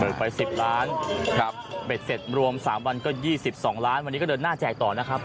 ไป๑๐ล้านครับเบ็ดเสร็จรวม๓วันก็๒๒ล้านวันนี้ก็เดินหน้าแจกต่อนะครับ